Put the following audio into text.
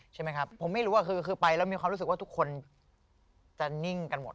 ใช่ไหมครับผมไม่รู้ว่าคือไปแล้วมีความรู้สึกว่าทุกคนจะนิ่งกันหมด